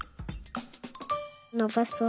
のばそう。